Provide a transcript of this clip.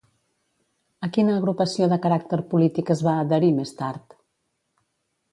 A quina agrupació de caràcter polític es va adherir més tard?